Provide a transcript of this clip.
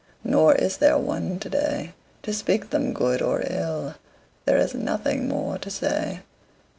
Nor is there one today To speak them good or ill: There is nothing more to say.